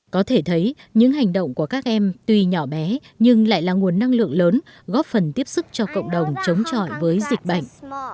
có thể thấy những hành động của các em tuy nhỏ bé nhưng lại là nguồn năng lượng lớn góp phần tiếp sức cho cộng đồng chống chọi với dịch bệnh